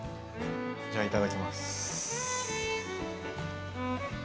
じゃあいただきます。